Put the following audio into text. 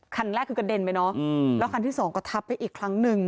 คันแรกคือกระเด็นไปเนอะแล้วคันที่สองก็ทับไปอีกครั้งหนึ่ง